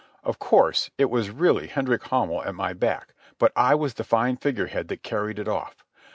Of course it was really Hendrik Hamel at my back, but I was the fine figure head that carried it off.